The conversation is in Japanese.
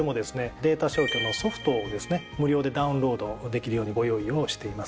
データ消去のソフトをですね無料でダウンロードできるようにご用意をしています。